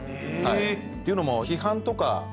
っていうのも。